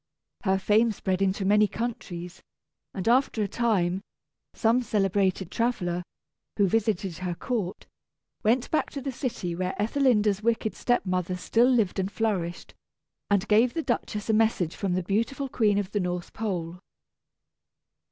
Her fame spread into many countries; and after a time, some celebrated traveller, who visited her court, went back to the city where Ethelinda's wicked step mother still lived and flourished, and gave the Duchess a message from the beautiful Queen of the North Pole.